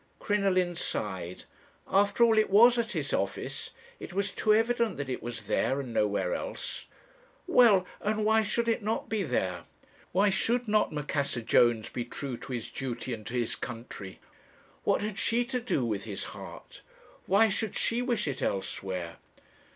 "Crinoline sighed. After all, it was at his office; it was too evident that it was there, and nowhere else. Well, and why should it not be there? why should not Macassar Jones be true to his duty and to his country? What had she to do with his heart? Why should she wish it elsewhere?